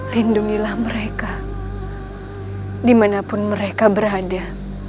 lindungilah mereka dimanapun mereka berada